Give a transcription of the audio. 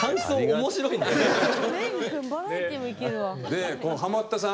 でこのハマったさん